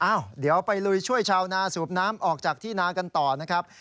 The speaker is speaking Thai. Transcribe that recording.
เดี๋ยวไปลุยช่วยชาวนาสูบน้ำออกจากที่นากันต่อนะครับ